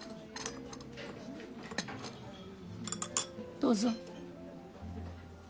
どうぞ。